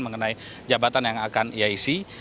mengenai jabatan yang akan ia isi